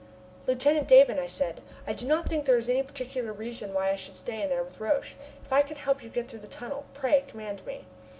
"Lieutenant Davon," I said, "I do not think there is any particular reason why I should stay in there with Roch. If I can help you to get through the tunnel, pray command me."